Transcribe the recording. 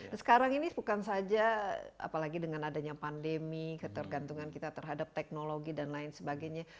dan sekarang ini bukan saja apalagi dengan adanya pandemi ketergantungan kita terhadap teknologi dan lain sebagainya